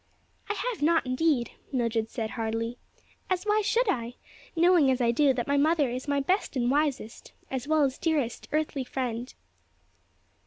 "I have not, indeed," Mildred said, heartily, "as why should I? knowing as I do that my mother is my best and wisest, as well as dearest earthly friend."